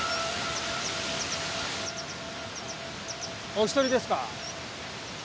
お一人ですか？